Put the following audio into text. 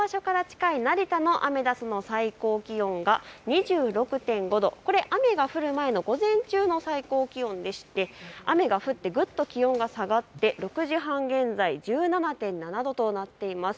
この場所から近い成田のアメダスの最高気温が２６．５度、雨が降る前の午前中の最高気温でして雨が降ってぐっと気温が下がって６時半現在、１７．７度となっています。